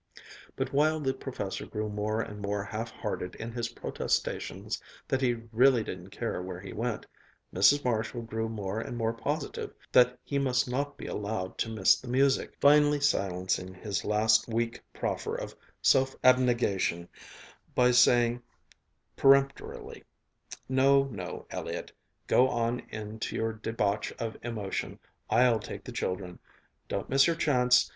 But while the Professor grew more and more half hearted in his protestations that he really didn't care where he went, Mrs. Marshall grew more and more positive that he must not be allowed to miss the music, finally silencing his last weak proffer of self abnegation by saying peremptorily: "No, no, Elliott; go on in to your debauch of emotion. I'll take the children. Don't miss your chance.